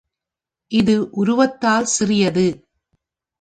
இது உருவத்தால் சிறியது.